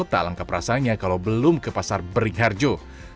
tak lengkap rasanya kalau belum ke pasar bering harjo